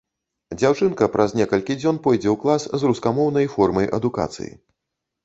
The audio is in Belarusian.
Дзяўчынка праз некалькі дзён пойдзе ў клас з рускамоўнай формай адукацыі.